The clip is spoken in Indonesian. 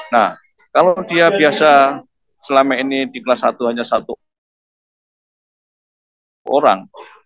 nah kalau dia biasa selama ini di kelas satu hanya satu orang